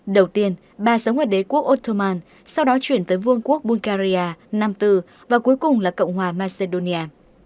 đầu tiên bà sống ở đế quốc ottoman sau đó chuyển tới vương quốc bulgaria năm bốn và cuối cùng là cộng hòa macedonia